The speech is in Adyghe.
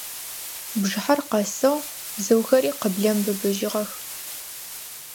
Бжыхьэр къэсыгъ, бзыухэри къыблэм быбыжьыгъэх.